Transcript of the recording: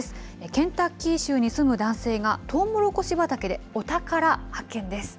ケンタッキー州に住む男性がトウモロコシ畑でお宝発見です。